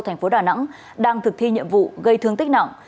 thành phố đà nẵng đang thực thi nhiệm vụ gây thương tích nặng